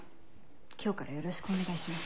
今日からよろしくお願いします。